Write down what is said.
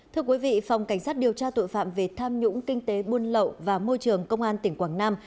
thưa quý vị phòng cảnh sát điều tra tội phạm về tham nhũng kinh tế buôn lậu và môi trường công an tỉnh quảng nam